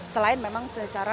selain memang secara